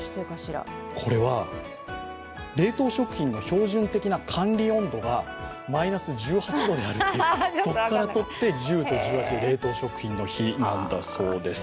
これは、冷凍食品の標準的な管理温度がマイナス１８度ということでそこからとって１０と１８が冷凍食品の日なんだそうです。